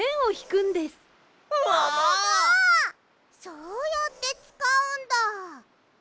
そうやってつかうんだ。